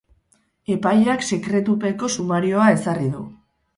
Epaileak sekretupeko sumarioa ezarri du.